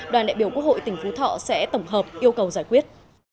đoàn đại biểu quốc hội tỉnh phú thọ sẽ tổng hợp yêu cầu giải quyết